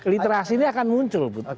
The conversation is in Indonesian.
literasi ini akan muncul